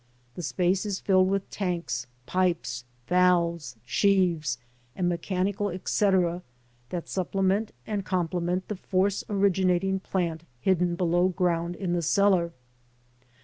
The space is filled with tanks, pipes, valves, sheaves, and mechanical etcetera that supplement and complement the force originating plant hidden below ground in the cellar.